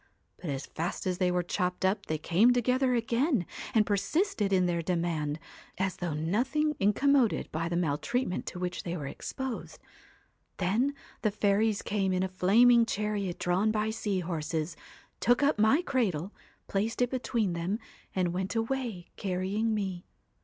But as fast as they were chopped up they came together again, and persisted in their demand, as though nothing in commoded by the maltreatment to which they were exposed. Then the fairies came in a flaming chariot drawn by sea horses, took up my cradle, placed it between them, and went away, carrying me.